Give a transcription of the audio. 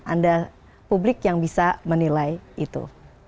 anda publik yang bisa menilai itu